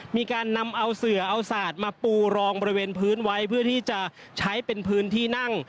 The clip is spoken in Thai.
มีการนำเอาเสือเอาสาดมาปูรองบริเวณพื้นไว้เพื่อที่จะใช้เป็นพื้นที่นั่ง